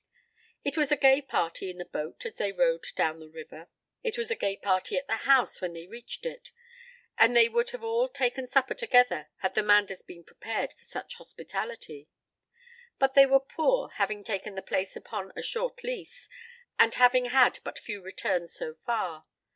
It was a gay party in the boat as they rowed down the river; it was a gay party at the house when they reached it, and they would have all taken supper together had the Manders been prepared for such hospitality; but they were poor, having taken the place upon a short lease and having had but few returns so far.